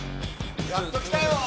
やっと来たよ。